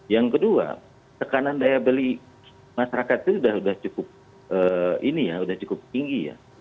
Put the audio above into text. yang kedua tekanan daya beli masyarakat itu sudah cukup tinggi ya